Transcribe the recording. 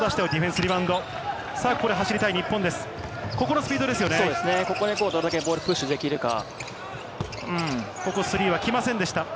スリーは来ませんでした。